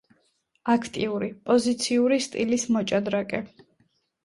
აქტიური, პოზიციური სტილის მოჭადრაკე.